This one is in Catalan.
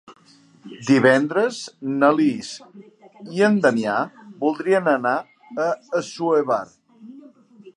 Divendres na Lis i en Damià voldrien anar a Assuévar.